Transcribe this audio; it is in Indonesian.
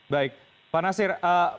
baik pak nasir